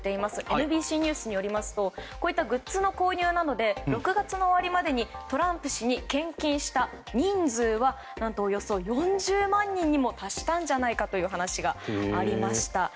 ＮＢＣニュースによりますとこうしたグッズの購入などで６月の終わりまでにトランプ氏に献金した人数はおよそ４０万人にも達したんじゃないかという話がありました。